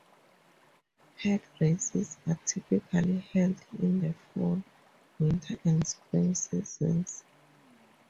Head races are typically held in the fall, winter and spring seasons.